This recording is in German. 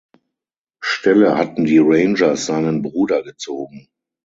Stelle hatten die Rangers seinen Bruder gezogen.